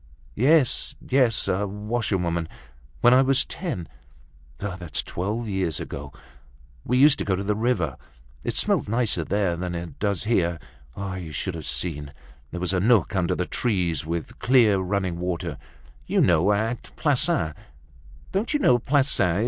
"Yes, yes, a washerwoman—When I was ten—That's twelve years ago—We used to go to the river—It smelt nicer there than it does here—You should have seen, there was a nook under the trees, with clear running water—You know, at Plassans—Don't you know Plassans?